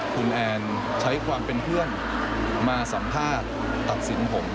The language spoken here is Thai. คุณแอนใช้ความเป็นเพื่อนมาสัมภาษณ์ตัดสินผม